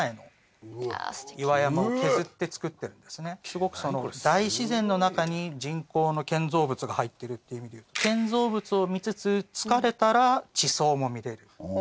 すごくその大自然中に人工の建造物が入ってるという意味でいうと建造物を見つつ疲れたら地層も見られる。